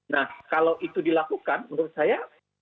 nah kalau itu dilakukan menurut saya